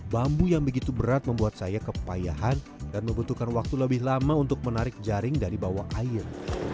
bambu yang begitu berat membuat saya kepayahan dan membutuhkan waktu lebih lama untuk menarik jaring dari bawah air